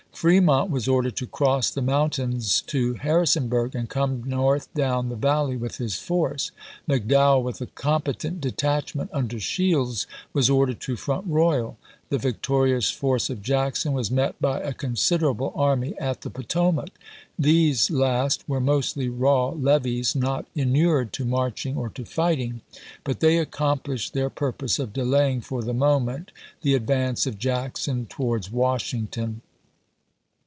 Fremont was ordered to cross the moun tains to Harrisonburg and come north down the Valley with his force. McDowell, with a competent detachment under. Shields, was ordered to Front Royal ; the victorious force of Jackson was met by a considerable army at the Potomac. These last were mostly raw levies not inured to marching or to fighting; but they accomplished their pur pose of delaying for the moment the advance of Jackson towards Washington.